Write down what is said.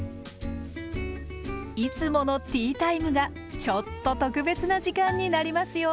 いつものティータイムがちょっと特別な時間になりますよ。